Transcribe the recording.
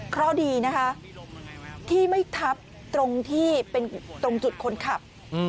เพราะดีนะคะที่ไม่ทับตรงที่เป็นตรงจุดคนขับ